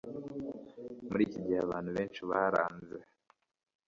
Muri iki gihe abantu benshi baranze